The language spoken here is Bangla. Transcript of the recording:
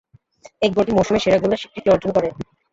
এই গোলটি মৌসুমের সেরা গোলের স্বীকৃতি অর্জন করে।